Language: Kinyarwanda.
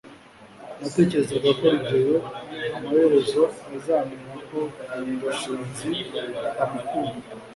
natekerezaga ko rugeyo amaherezo azamenya ko gashinzi atamukunda